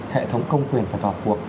hệ thống công quyền phải vào cuộc